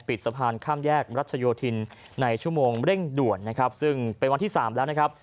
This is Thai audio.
สะพานข้ามแยกรัชโยธินในชั่วโมงเร่งด่วนนะครับซึ่งเป็นวันที่สามแล้วนะครับ